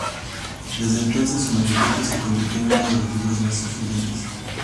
Desde entonces, su manifiesto se convirtió en uno de los libros más influyentes.